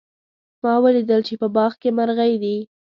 ما ولیدل چې په باغ کې مرغۍ دي